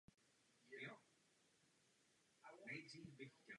V masivu Monte Rosa nebo jeho těsném okolí se nachází několik lyžařských středisek.